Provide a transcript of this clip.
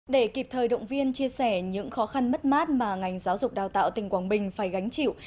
để kịp thời động viên chia sẻ những khó khăn mất mát mà ngành giáo dục đào tạo tỉnh quảng bình phải gánh chịu